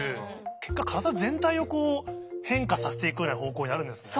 結果体全体をこう変化させていくような方向になるんですね。